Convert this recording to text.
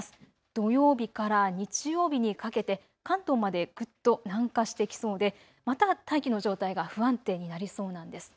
土曜日から日曜日にかけて関東までぐっと南下してきそうでまた大気の状態が不安定になりそうなんです。